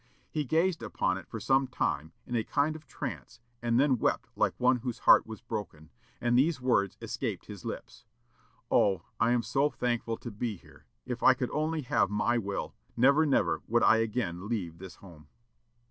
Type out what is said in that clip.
He gazed upon it for some time in a kind of trance, and then wept like one whose heart was broken, and these words escaped his lips, 'Oh, I am so thankful to be here. If I could only have my will, never, never would I again leave this home!'"